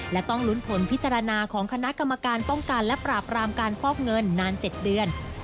และต้องลุ้นผลพิจารณาของคณะกรรมการป้องกันและปราบรามการฟอกเงินนาน๗เดือน